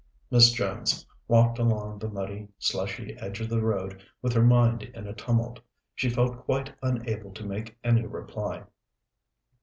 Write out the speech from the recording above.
Miss Jones walked along the muddy, slushy edge of the road with her mind in a tumult. She felt quite unable to make any reply.